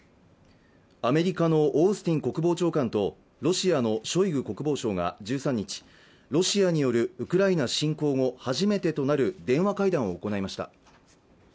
アメリカのオースティン国防長官とロシアのショイグ国防相が１３日ロシアによるウクライナ侵攻後初めてとなる電話会談を行いました